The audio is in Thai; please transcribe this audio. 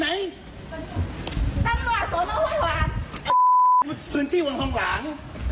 ในพื้นที่วังทองหลาง